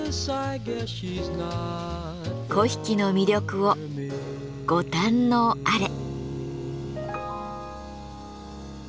粉引の魅力をご堪能あれ。